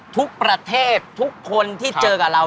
ทุกประเทศทุกคนที่เจอกับเรา